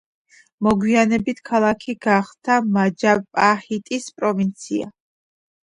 მოგვიანებით ქალაქი გახდა მაჯაპაჰიტის პროვინცია.